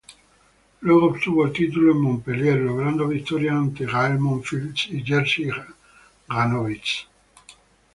Luego obtuvo el título en Montpellier, logrando victorias ante Gael Monfils y Jerzy Janowicz.